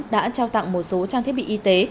đã trao tặng một số trang thiết bị y tế